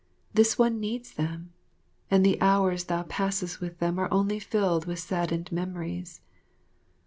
This one needs them, and the hours thou passest with them are only filled with saddened memories."